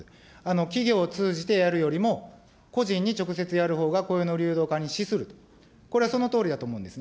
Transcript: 企業を通じてやるよりも、個人に直接やるほうが、雇用の流動化に資する、これはそのとおりだと思うんですね。